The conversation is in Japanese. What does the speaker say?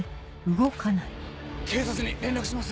警察に連絡します！